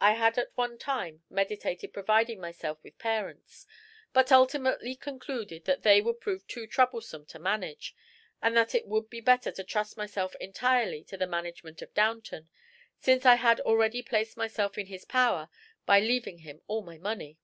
I had at one time meditated providing myself with parents, but ultimately concluded that they would prove too troublesome to manage, and that it would be better to trust myself entirely to the management of Downton, since I had already placed myself in his power by leaving him all my money."